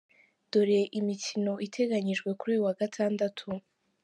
Dore imikino iteganyijwe kuri uyu wa Gatandatu:.